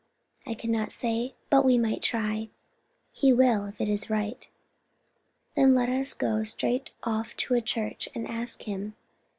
"I cannot say; but we might try. He will, if it is right." "Then let us go straight off to a church and ask Him.